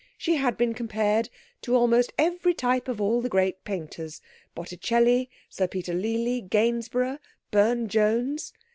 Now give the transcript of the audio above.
She had been compared to almost every type of all the great painters: Botticelli, Sir Peter Lely, Gainsborough, Burne Jones.